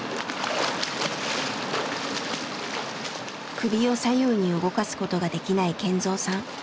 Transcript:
首を左右に動かすことができない健三さん。